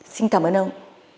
xin cảm ơn ông